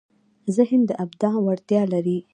ذهن د ابداع وړتیا لري.